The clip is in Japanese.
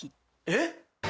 えっ！？